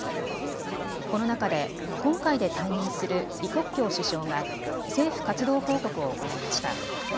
この中で今回で退任する李克強首相が政府活動報告を行いました。